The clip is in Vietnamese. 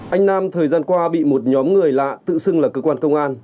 anh nam thời gian qua bị một nhóm người lạ tự xưng là cơ quan công an